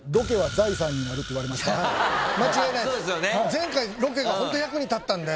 前回ロケがホント役に立ったんで。